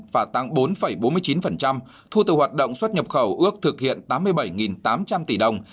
và tăng bốn bốn mươi chín thu từ hoạt động xuất nhập khẩu ước thực hiện tám mươi bảy tám trăm linh tỷ đồng